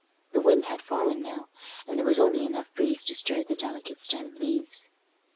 The wind had fallen now, and there was only enough breeze to stir the delicate stemmed leaves.